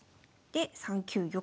で３九玉。